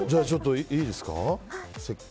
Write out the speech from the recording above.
いいですか？